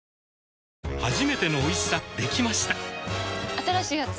新しいやつ？